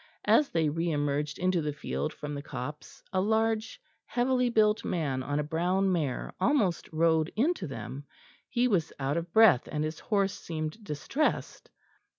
As they re emerged into the field from the copse, a large heavily built man on a brown mare almost rode into them. He was out of breath, and his horse seemed distressed.